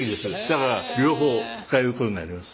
だから両方使えることになります。